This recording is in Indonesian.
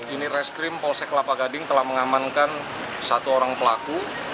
ini reskrim polsek kelapa gading telah mengamankan satu orang pelaku